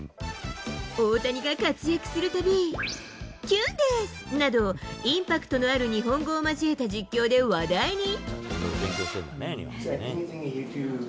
大谷が活躍するたび、キュンデスなど、インパクトのある日本語を交えた実況で話題に。